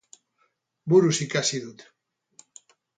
Buruz ikasi du.